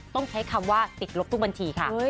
ต้องใช้คำว่าติดลบทุกบัญชีค่ะ